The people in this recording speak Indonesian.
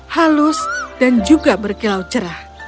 halus dan juga berkilau cerah